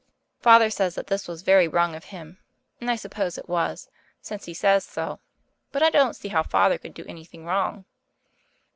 Father says that this was very wrong of him, and I suppose it was, since he says so; but I don't see how Father could do anything wrong.